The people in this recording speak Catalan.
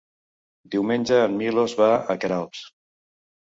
Diumenge en Milos va a Queralbs.